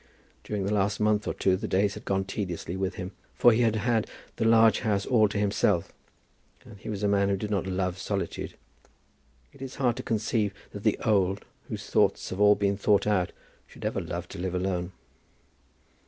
During the last month or two the days had gone tediously with him; for he had had the large house all to himself, and he was a man who did not love solitude. It is hard to conceive that the old, whose thoughts have been all thought out, should ever love to live alone.